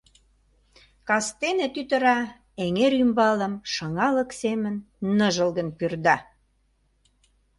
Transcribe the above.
Кастене тӱтыра эҥер ӱмбалым шыҥалык семын ныжылгын пӱрда.